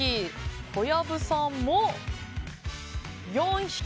小籔さんも４匹。